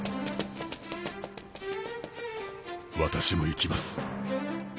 私も行きます。